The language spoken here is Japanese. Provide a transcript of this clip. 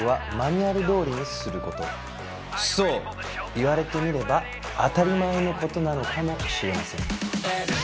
言われてみれば当たり前のことなのかもしれません。